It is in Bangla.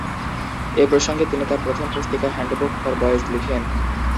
এ প্রসঙ্গে তিনি তার প্রথম পুস্তিকা 'হ্যান্ডবুক ফর বয়েজ' লিখেন।